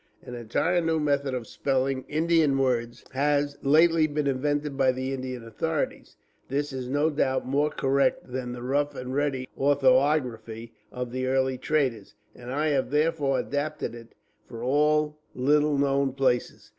An entirely new method of spelling Indian words has lately been invented by the Indian authorities. This is no doubt more correct than the rough and ready orthography of the early traders, and I have therefore adopted it for all little known places.